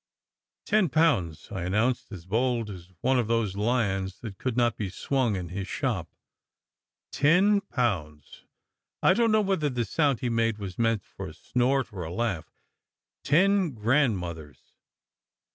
"Ten pounds," I announced, as bold as one of those lions that could not be swung in his shop. " Ten pounds !" I don t know whether the sound he made was meant for a snort or a laugh. "Ten grandmothers!".